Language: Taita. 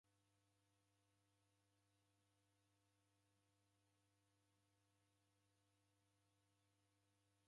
Uja mwana wavivirika. Walila mpaka ukakabwa ni w'usisi.